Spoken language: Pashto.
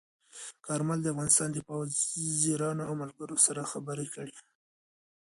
کارمل د افغانستان د دفاع وزیرانو او ملګرو سره خبرې کړي.